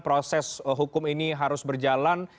proses hukum ini harus berjalan